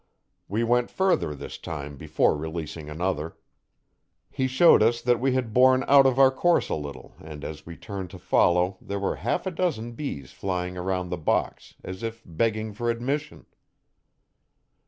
We went further this time before releasing another. He showed us that we had borne out of our course a little and as we turned to follow there were half a dozen bees flying around the box, as if begging for admission.